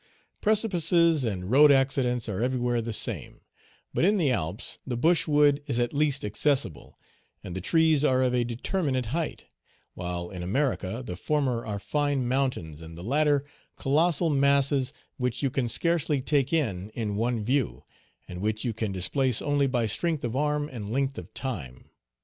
Precipices and road accidents are everywhere the same; but in the Alps the bushwood is at least accessible, and the trees are of a determinate height, while in America the former are fine mountains and the latter colossal masses which you can scarcely take in in one view, and which you can displace only by strength of arm and length of time.